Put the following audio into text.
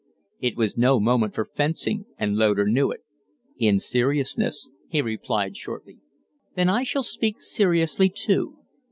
It was no moment for fencing, and Loder knew it. "In seriousness," he replied, shortly. "Then I shall speak seriously, too."